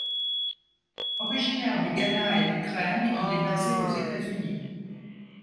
Originaire du Ghana et d'Ukraine, il est basé aux États-Unis.